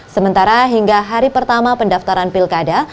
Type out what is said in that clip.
sementara hingga hari pertama pendaftaran pilkada